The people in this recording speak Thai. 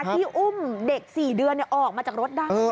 ที่อุ้มเด็ก๔เดือนออกมาจากรถได้